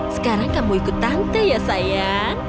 sekarang kamu ikut tante ya sayang